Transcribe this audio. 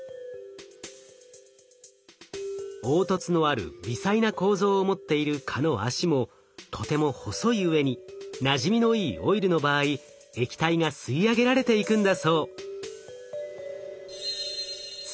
凹凸のある微細な構造を持っている蚊の脚もとても細いうえになじみのいいオイルの場合液体が吸い上げられていくんだそう。